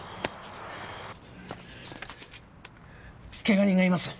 ケガ人がいます！